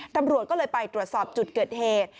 ตำรวจก็เลยไปตรวจสอบจุดเกิดเหตุ